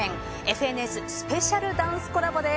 ［『ＦＮＳ』スペシャルダンスコラボです］